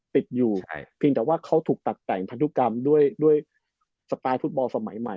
ติดอยู่เพียงแต่ว่าเขาถูกตัดแต่งพันธุกรรมด้วยสไตล์ฟุตบอลสมัยใหม่